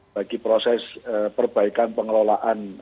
bagi proses perbaikan pengelolaan